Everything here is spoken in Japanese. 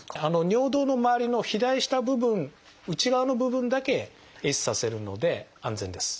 尿道のまわりの肥大した部分内側の部分だけ壊死させるので安全です。